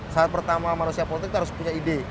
saat pertama manusia politik itu harus punya ide